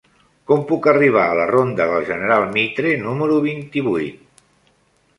Com puc arribar a la ronda del General Mitre número vint-i-vuit?